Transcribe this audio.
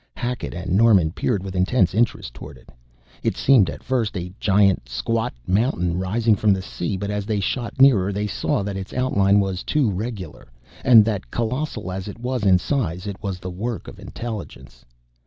Hackett and Norman peered with intense interest toward it. It seemed at first a giant squat mountain rising from the sea, but as they shot nearer they saw that its outline was too regular, and that colossal as it was in size it was the work of intelligence.